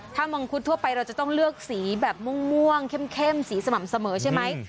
ถ้ามังคุดทั่วไปเราจะต้องเลือกสีแบบม่วงเข้มสีสม่ำเสมอใช่ไหม